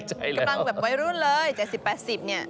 ใช่คือกำลังไวรุ่นเลย๗๐๘๐เนี่ย